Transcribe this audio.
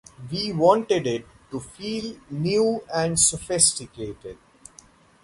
We wanted it to feel new and sophisticated.